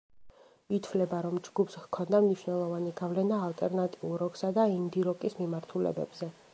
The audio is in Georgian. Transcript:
ითვლება, რომ ჯგუფს ჰქონდა მნიშვნელოვანი გავლენა ალტერნატიულ როკსა და ინდი-როკის მიმართულებებზე.